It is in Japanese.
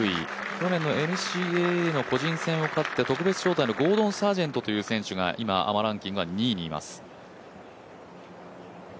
去年のＮＣＡＡ選手権を勝って、特別招待のゴードン・サージェントという選手が今、アマランキングは２位にいます。